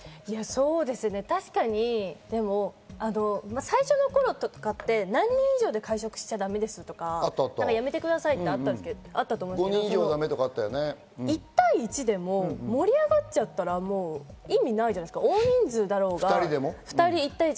確かに最初の頃とかって何人以上で会食しちゃだめですとか、やめてくださいってあったと思うんですけど、１対１でも盛り上がっちゃったら意味ないじゃないですか、大人数だろうが。